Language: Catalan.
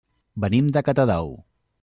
Venim de Catadau.